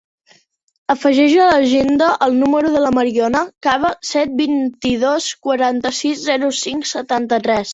Afegeix a l'agenda el número de la Mariona Caba: set, vint-i-dos, quaranta-sis, zero, cinc, setanta-tres.